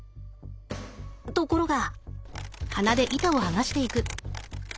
ところが。